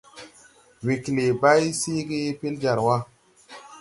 Wee klee bay seege pel jar wa.